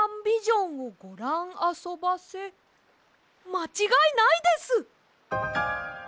まちがいないです！